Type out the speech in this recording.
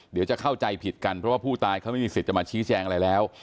เดี๋ยวจะเข้าใจผิดกันเพราะว่าผู้ตายเขาไม่มีสิทธิ์จะมาชี้แจงอะไรแล้ว